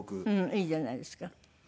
いいじゃないですか。